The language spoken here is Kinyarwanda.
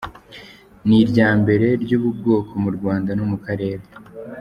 Ni iryambere ry’ubu bwoko mu Rwanda no mu karere.